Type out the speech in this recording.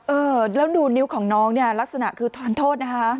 เออแล้วดูนิ้วของน้องเนี่ยลักษณะคือทอนโทษนะคะ